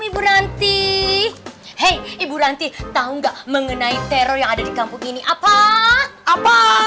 berhenti hei ibu ranti tahu enggak mengenai teror yang ada di kampung ini apa apa